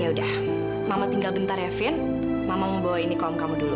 ya udah mama tinggal bentar ya vin mama mau bawa ini ke om kamu dulu